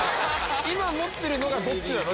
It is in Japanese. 今持ってるのがどっちなの？